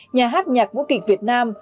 nhà hát nhạc vũ kịch việt nam